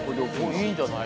いいんじゃない？